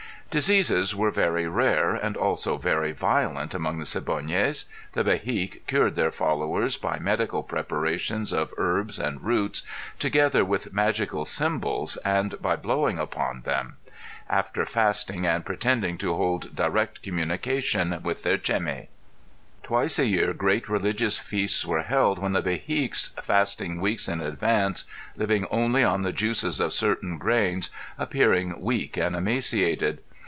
Diseases were very rare and also very violent among the Siboneyes; the Behique cured their followers by medical preparations of herbs and roots, together with magical symbols and by blowing upon them; after fasting and pretending to hold direct communication with their Cemi. Twice a year great religious feasts were held when the Behiques fasting weeks in advance living only on the juices of certain grains appearing weak and emaciated.